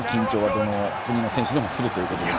どの選手でもするということで。